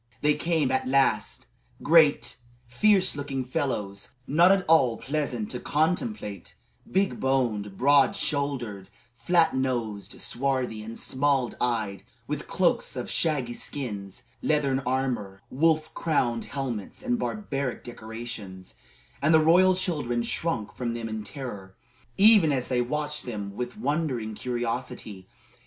They came, at last, great, fierce looking fellows, not at all pleasant to contemplate big boned broad shouldered, flat nosed, swarthy, and small eyed, with war cloaks of shaggy skins, leathern armor, wolf crowned helmets, and barbaric decorations, and the royal children shrunk from them in terror, even as they watched them with wondering curiosity.